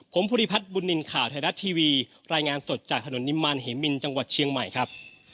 ผมภูริพัฒน์บุญนินทร์ข่าวไทยรัฐทีวีรายงานสดจากถนนนิมันเหมินจังหวัดเชียงใหม่ครับ